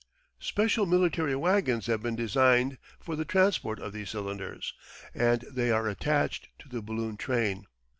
Special military wagons have been designed for the transport of these cylinders, and they are attached to the balloon train.